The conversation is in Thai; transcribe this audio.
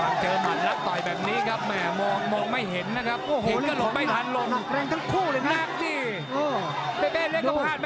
เร็งขึ้นทั้งคู่รู้เหรอ